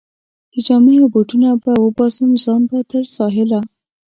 چې جامې او بوټونه به وباسم، ځان به تر ساحله.